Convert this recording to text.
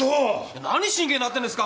何真剣になってるんですか！